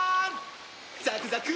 ザクザク！